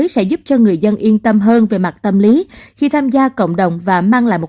sẽ giúp cho người dân yên tâm hơn về mặt tâm lý khi tham gia cộng đồng và mang lại một